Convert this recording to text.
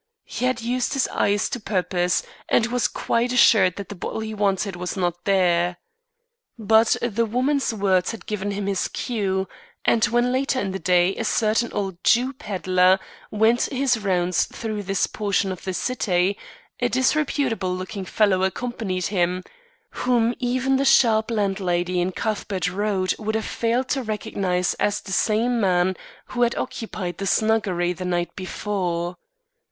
He had used his eyes to purpose, and was quite assured that the bottle he wanted was not there. But the woman's words had given him his cue, and when later in the day a certain old Jew peddler went his rounds through this portion of the city, a disreputable looking fellow accompanied him, whom even the sharp landlady in Cuthbert Road would have failed to recognise as the same man who had occupied the snuggery the night before.